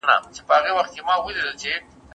زه اوږده وخت لوبه کوم؟